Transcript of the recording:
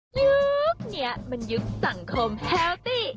ยุคนี้มันยุคสังคมแฮลตี้